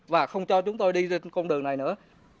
và không cho chúng tôi đi trên con đường này nữa